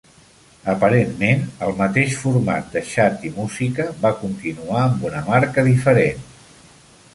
Aparentment, el mateix format de xat i música va continuar amb una marca diferent.